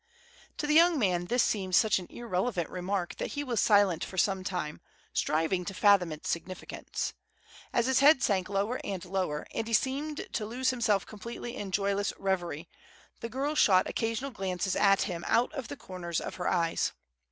To the young man this seemed such an irrelevant remark that he was silent for some time, striving to fathom its significance. As his head sank lower and lower, and he seemed to lose himself completely in joyless revery, the girl shot occasional glances at him out of the corners of her eyes.